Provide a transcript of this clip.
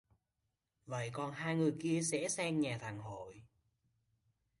Vậy còn hai người kia sẽ sang nhà thằng Hội